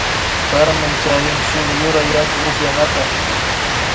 Carmen charin shuk yura yaku upyanata